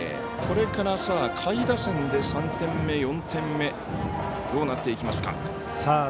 これから下位打線で３点目、４点目どうなっていきますか。